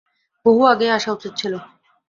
বহু আগেই আসা উচিৎ ছিল।